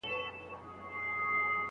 ځینې باورونه وايي پیوندول ګټور نه دی.